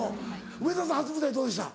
梅沢さん初舞台どうでした？